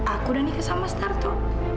aku dan nikah sama starto